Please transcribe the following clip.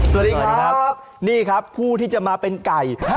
สวัสดีครับนี่ครับผู้ที่จะมาเป็นไก่